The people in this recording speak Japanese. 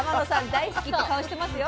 大好きって顔してますよ。